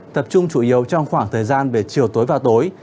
tập trung chủ yếu trong khoảng thời gian về chiều tối và tối